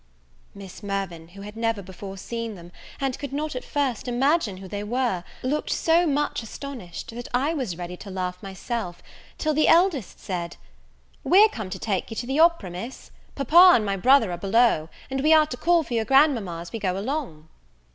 Miss Mirvan, who had never before seen them, and could not at first imagine who they were, looked so much astonished, that I was ready to laugh myself, till the eldest said, "We're come to take you to the opera, Miss; papa and my brother are below, and we are to call for your grand mama as we go along."